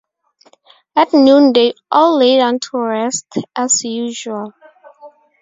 At noon they all lay down to rest as usual.